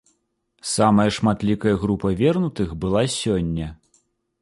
Самая шматлікая група вернутых была сёння.